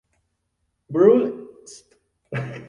Brühl St.